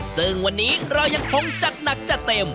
ซึ่งวันนี้เรายังคงจัดหนักจัดเต็ม